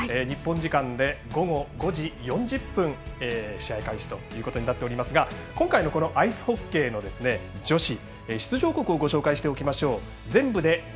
日本時間で午後５時４０分試合開始ということになっておりますが今回のアイスホッケーの女子出場国をご紹介しておきましょう。